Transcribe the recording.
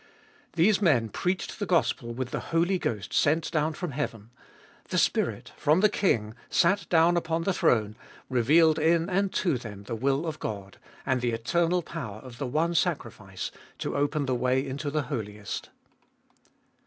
These men preached the gospel with the Holy Ghost sent down from heaven; the Spirit, from the King sat down upon the throne, revealed in and to them the will of God, and the eternal power of the one sacrifice, to open the way into the Holiest.